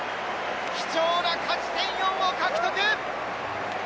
貴重な勝ち点４を獲得！